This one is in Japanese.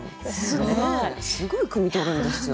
すごいくみ取るんですよ。